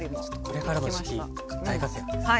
これからの時期大活躍ですね。